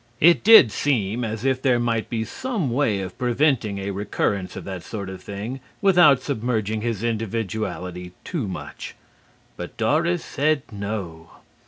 It did seem as if there might be some way of preventing a recurrence of that sort of thing without submerging his individuality too much. But Doris said no.